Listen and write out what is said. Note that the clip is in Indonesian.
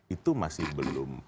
itu masih belum